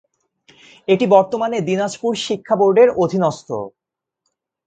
এটি বর্তমানে দিনাজপুর শিক্ষা বোর্ডের অধীনস্থ।